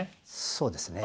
そうですね。